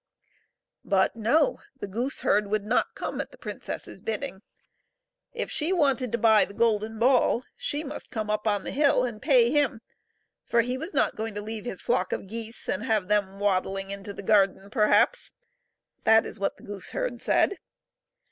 But, no ; the gooseherd would not come at the princess's bidding. If she wanted to buy the golden ball she must come up on the hill and pay him, for he was not going to leave his flock of geese, and have them wad dling into the garden perhaps ; that is what the gooseherd said.